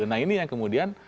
nah ini yang kemudian